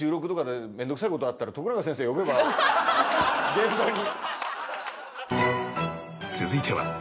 現場に。